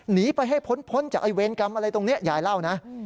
หนีไปให้พ้นจากไอ้เวรกรรมอะไรตรงนี้ยายเล่านะ